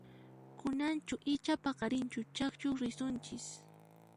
Kunanchu icha paqarinchu chakchuq risunchis?